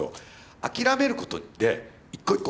諦めることで一個一個